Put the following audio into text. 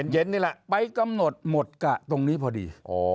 เย็นนี่แหละไปกำหนดหมดกะตรงนี้พอดี